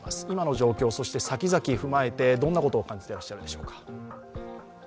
今の状況、そして先々踏まえてどんなことを感じていらっしゃるでしょうか。